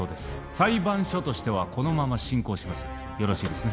裁判所としてはこのまま進行しますよろしいですね